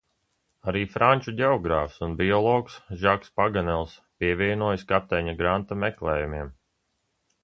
Arī franču ģeogrāfs un biologs Žaks Paganels pievienojas kapteiņa Granta meklējumiem.